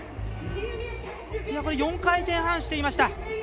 ４回転半していました！